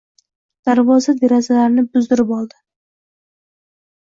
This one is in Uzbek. Darvoza-derazalarni buzdirib oldi.